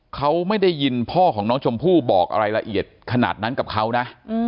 เขาไม่ได้ยินพ่อของน้องชมพู่บอกอะไรละเอียดขนาดนั้นกับเขานะ